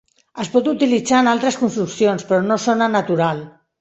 Es pot utilitzar en altres construccions, però no sona "natural".